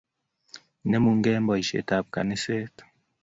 Inemu kei eng boishet ab kaniset